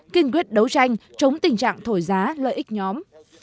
kiên quyết đấu tranh chống tình trạng thổi giá lợi ích nhóm